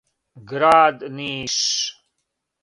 Град Ниш